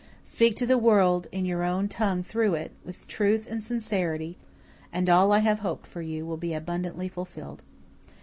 Speak to the world in your own tongue through it, with truth and sincerity; and all I have hoped for you will be abundantly fulfilled."